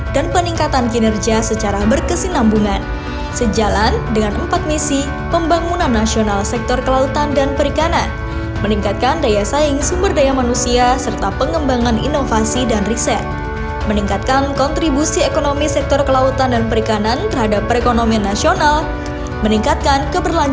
dan peningkatan kinerja kementerian kelautan dan perikanan